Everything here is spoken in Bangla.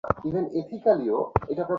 সত্যিই তোমার ক্ষুধা পায়নি?